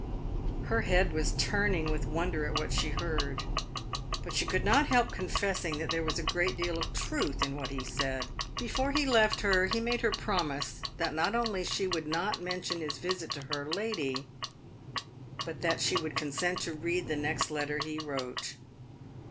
Her head was turning with wonder at what she heard, but she could not help confessing that there was a great deal of truth in what he said. Before he left her, he made her promise that not only she would not mention his visit to her lady, but that she would consent to read the next letter he wrote.